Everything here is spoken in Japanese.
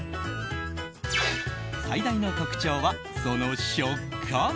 最大の特徴はその食感。